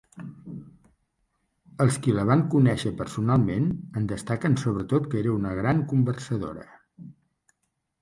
Els qui la van conèixer personalment en destaquen sobretot que era una gran conversadora.